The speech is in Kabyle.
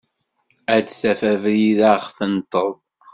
Ad d-taf abrid ad ɣ-tenṭeḍ.